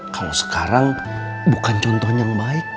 kalau sekarang bukan contoh yang baik